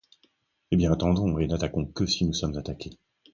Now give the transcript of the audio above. Eh bien, attendons, et n’attaquons que si nous sommes attaqués